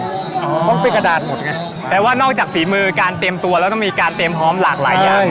เพราะมันเป็นกระดาษหมดไงแปลว่านอกจากฝีมือการเตรียมตัวแล้วต้องมีการเตรียมพร้อมหลากหลายอย่าง